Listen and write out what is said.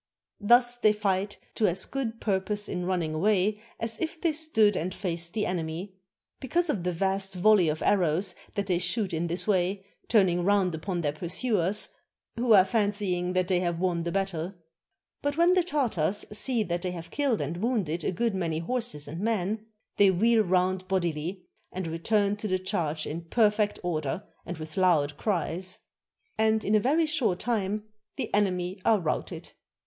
Thus they fight to as good purpose in running away as if they stood and faced the enemy, because of the vast volleys of arrows that they shoot in this way, turning round upon their pursuers, who are fancying that they have won the battle. But when the Tartars see that they have killed and wounded a good many horses and men, they wheel round bodily, and return to the charge in perfect order and with loud cries; and in a very short time the enemy are routed.